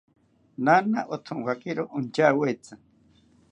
Naana othonkakiro ontyawetzi